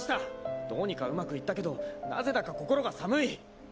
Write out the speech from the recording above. どうにかうまくいったけどなぜだか心が寒い。